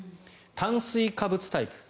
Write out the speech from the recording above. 炭水化物タイプ。